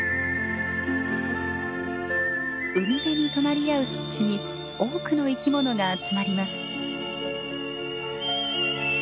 海辺に隣り合う湿地に多くの生き物が集まります。